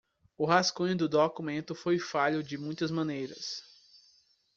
O rascunho do documento foi falho de muitas maneiras.